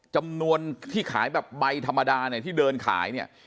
จำนวนที่ขายแบบใบธรรมดาเนี่ยที่เดินขายเนี่ย